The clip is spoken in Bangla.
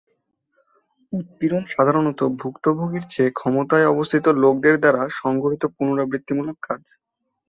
উৎপীড়ন সাধারণত ভুক্তভোগীর চেয়ে ক্ষমতায় অবস্থিত লোকদের দ্বারা সংঘটিত পুনরাবৃত্তিমূলক কাজ।